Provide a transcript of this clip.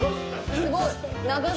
すごい。